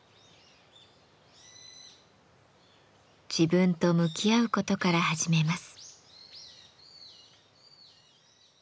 自分と向き合うことから始めます。